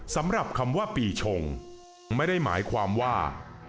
สำหรับคำว่าปีชงไม่ได้หมายความว่า